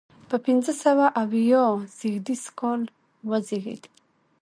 په پنځه سوه اویا زیږدي کال وزیږېد.